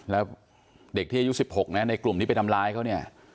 แล้วเด็กที่อายุ๑๖นะในกลุ่มที่ไปทำร้ายเขาเนี่ย